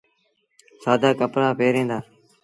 سآدآ ڪپڙآ پهريٚݩ دآ۔